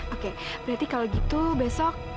oke berarti kalau gitu besok